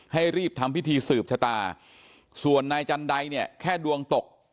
ให้รีบทำพิธีสืบชะตาส่วนนายจันไดเนี่ยแค่ดวงตก